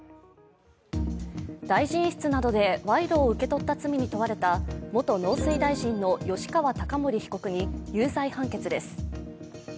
大臣室などで賄賂を受け取った罪に問われた元農水大臣の吉川貴盛被告に有罪判決です。